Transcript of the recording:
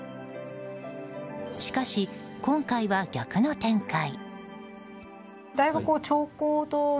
しかし、今回は逆の展開。